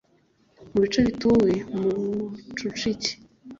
mu bice bituwe mu bucucike.